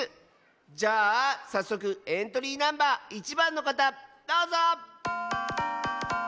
じゃあさっそくエントリーナンバー１ばんのかたどうぞ！